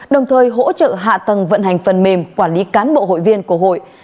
đồng thời hỗ trợ hạ tầng vận hành phần mềm quản lý cán bộ hội viên của hội